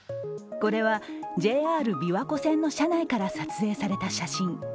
これは、ＪＲ琵琶湖線の車内から撮影された写真。